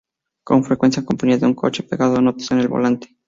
Con frecuencia componía en su coche, pegando notas en el volante.